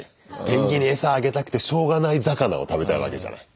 ペンギンにエサあげたくてしょうがない魚を食べたいわけじゃない。